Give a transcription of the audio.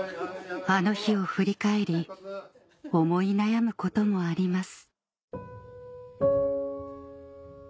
あの日を振り返り思い悩むこともあります